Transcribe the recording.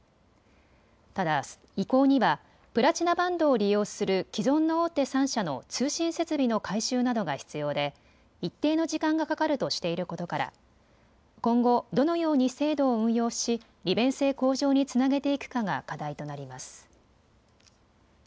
ただ移行にはプラチナバンドを利用する既存の大手３社の通信設備の改修などが必要で一定の時間がかかるとしていることから今後、どのように制度を運用し利便性向上につなげていくかが課題となります。